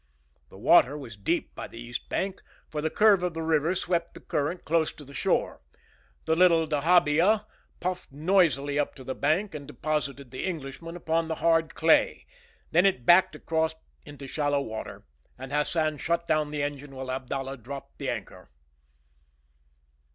The water was deep by the east bank, for the curve of the river swept the current close to the shore. The little dahabeah puffed noisily up to the bank and deposited the Englishman upon the hard clay. Then it backed across into shallow water, and Hassan shut down the engine while Abdallah dropped the anchor.